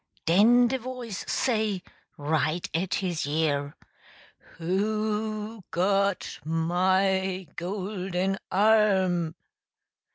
Den de voice say, right at his year "W h o g o t m y g o l d e n arm?"